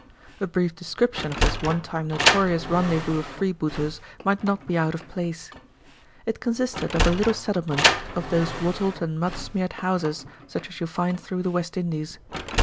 A brief description of this one time notorious rendezvous of freebooters might not be out of place. It consisted of a little settlement of those wattled and mud smeared houses such as you find through the West Indies.